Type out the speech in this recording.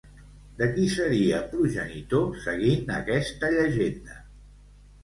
De qui seria progenitor seguint aquesta llegenda?